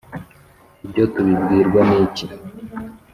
Ibyo tubibwirwa n iki